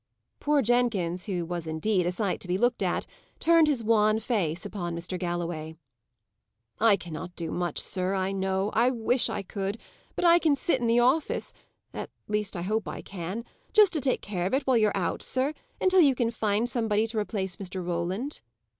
Poor Jenkins, who was indeed a sight to be looked at, turned his wan face upon Mr. Galloway. "I cannot do much sir, I know; I wish I could: but I can sit in the office at least, I hope I can just to take care of it while you are out, sir, until you can find somebody to replace Mr. Roland."